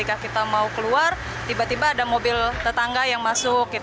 jika kita mau keluar tiba tiba ada mobil tetangga yang masuk